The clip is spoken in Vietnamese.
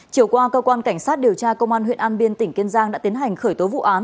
chiều qua cơ quan cảnh sát điều tra công an huyện an biên tỉnh kiên giang đã tiến hành khởi tố vụ án